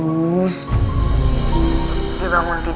ada apa mir